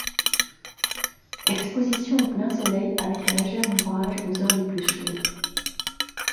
Exposition au plein soleil, avec un léger ombrage aux heures les plus chaudes.